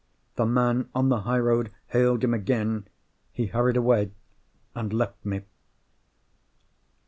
The man on the high road hailed him again. He hurried away, and left me.